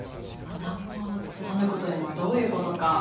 「穴熊を貫く」というのはどういうことか。